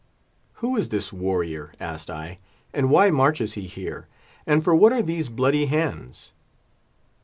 "Who is this warrior?" asked I; "and why marches he here? and for what are these bloody hands?"